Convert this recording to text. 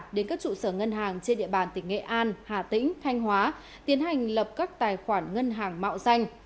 đến các trụ sở ngân hàng trên địa bàn tỉnh nghệ an hà tĩnh thanh hóa tiến hành lập các tài khoản ngân hàng mạo danh